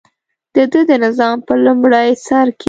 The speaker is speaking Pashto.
دده د نظام په لومړي سر کې.